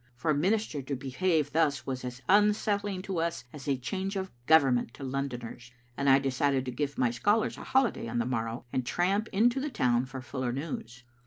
For a minister to behave thus was as unsettling to us as a change of Government to Londoners, and I decided to give my scholars a holiday on the morrow and tramp into the town for fuller news.